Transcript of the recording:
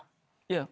いや。